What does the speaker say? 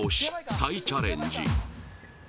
再チャレンジ